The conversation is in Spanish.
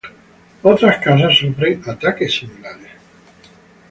Otras casas sufren ataques similares.